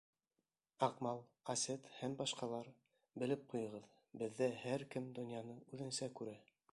Аҡмал, Асет һәм башҡалар, белеп ҡуйығыҙ, беҙҙә һәр кем донъяны үҙенсә күрә.